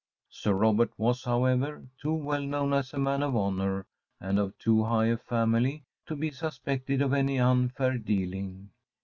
Sir Robert was, however, too well known as a man of honour, and of too high a family, to be suspected of any unfair dealing.